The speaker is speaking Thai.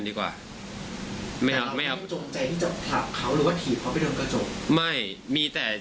หัวฟาดพื้น